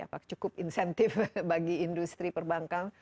apakah cukup insentif bagi industri perbankan